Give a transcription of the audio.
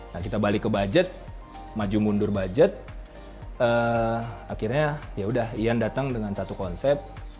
nah kita balik ke budget maju mundur budget akhirnya yaudah ian datang dengan satu konsep